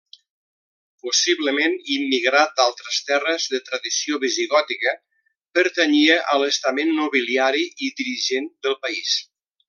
Possiblement immigrat d'altres terres de tradició visigòtica, pertanyia a l’estament nobiliari i dirigent del país.